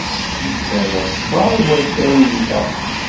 Nettarra sskeṛ i watay-nteɣ.